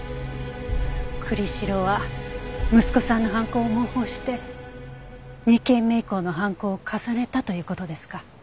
栗城は息子さんの犯行を模倣して２件目以降の犯行を重ねたという事ですか？